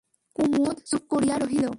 কুমুদ চুপ করিয়া রহিল।